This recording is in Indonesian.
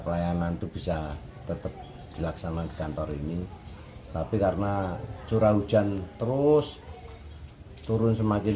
pelayanan itu bisa tetap dilaksanakan di kantor ini tapi karena curah hujan terus turun semakin